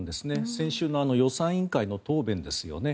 先週の予算委員会の答弁ですよね。